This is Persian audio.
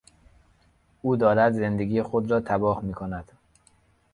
او دارد زندگی خود را تباه میکند.